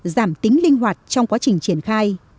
giảm tính linh hoạt trong quá trình triển khai